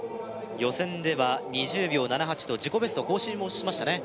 予選では２０秒７８と自己ベスト更新もしましたね